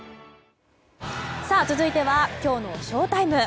続いてはきょうのＳＨＯＴＩＭＥ。